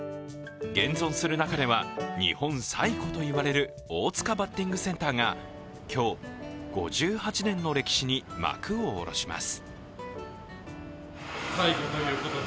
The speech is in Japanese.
現存する中では、日本最古といわれる、大塚バッティングセンターが今日、５８年の歴史に幕を下ろします